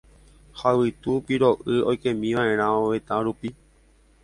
Ha yvytu piro'y oikémiva'erã ovetã rupi.